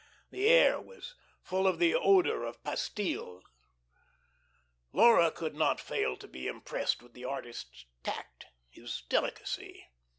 The air was full of the odor of pastilles. Laura could not fail to be impressed with the artist's tact, his delicacy.